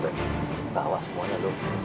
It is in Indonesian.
kita awas semuanya dulu